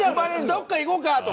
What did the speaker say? どこか行こうかとか。